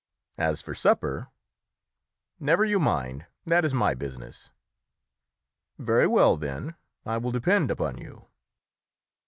As for supper " "Never you mind. That is my business." "Very well, then. I will depend upon you."